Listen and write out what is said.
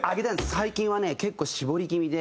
最近はね結構絞り気味で。